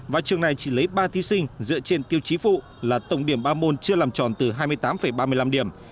và trường này chỉ lấy ba thí sinh dựa trên tiêu chí phụ là tổng điểm ba môn chưa làm tròn từ hai mươi tám ba mươi năm điểm